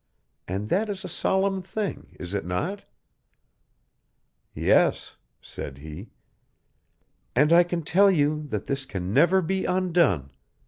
And that is a solemn thing; is it not?" "Yes," said he. "And I can tell you that this can never be undone.